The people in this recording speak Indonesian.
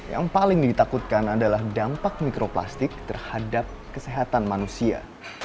yang paling ditakutkan adalah dampak mikroplastik terhadap kesehatan manusia